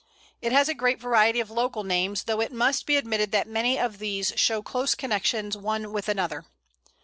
It has a great variety of local names, though it must be admitted that many of these show close connections one with another.